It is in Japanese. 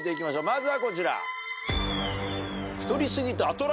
まずはこちら。